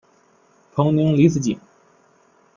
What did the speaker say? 彭宁离子阱。